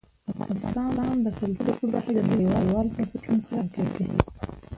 افغانستان د کلتور په برخه کې نړیوالو بنسټونو سره کار کوي.